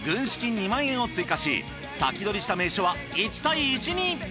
２万円を追加し先取りした名所は１対１に。